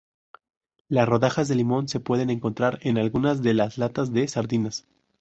Las rodajas de limón se pueden encontrar en algunas de las latas de sardinas.